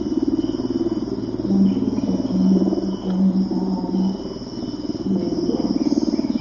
metuun kotinyei iton nekararan yeoit